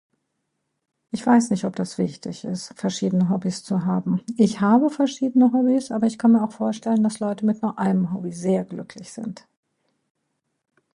Ich weiß nicht, ob das wichtig ist, verschiedene Hobbys zu haben; ich habe verschiedene Hobbys, aber ich kann mir auch vorstellen, dass Leute mit nur einem Hobby sehr glücklich sind.